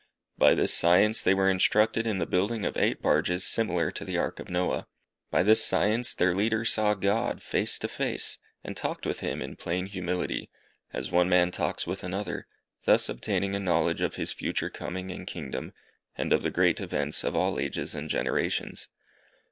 By this science they were instructed in the building of eight barges similar to the ark of Noah. By this science their leader saw God, face to face, and talked with Him in plain humility, as one man talks with another, thus obtaining a knowledge of His future coming and Kingdom, and of the great events of all ages and generations.